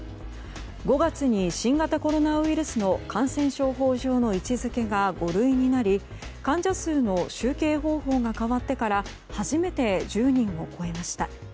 ５月に新型コロナウイルスの感染症法上の位置づけが５類になり患者数の集計方法が変わってから初めて１０人を超えました。